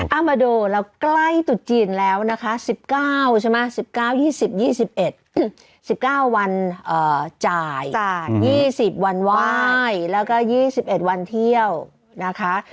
เอามาดูแล้วใกล้ตุดจีนแล้วนะคะ๑๙ใช่ไหม๑๙๒๐๒๑๑๙วันจ่าย๒๐วันไหว้แล้วก็๒๑วันเที่ยวนะคะ